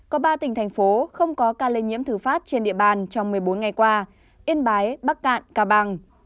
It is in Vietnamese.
có ba tỉnh thành phố không có ca lây nhiễm thử phát trên địa bàn trong một mươi bốn ngày qua yên bái bắc cạn cao bằng